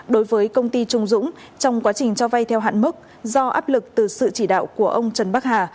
đối với công ty trung dũng trong quá trình cho vay theo hạn mức do áp lực từ sự chỉ đạo của ông trần bắc hà